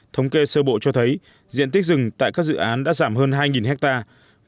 thống kê sơ bộ cho thấy diện tích rừng tại các dự án đã giảm hơn hai hectare